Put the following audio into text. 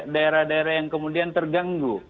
daerah daerah yang kemudian terganggu